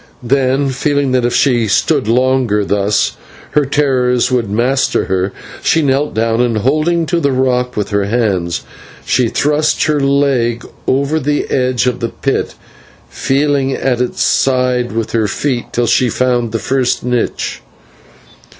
Then, feeling that if she stood longer thus, her terrors would master her, she knelt down, and, holding to the rock with her hands, she thrust her leg over the edge of the pit, feeling at its side with her foot till she found the first niche.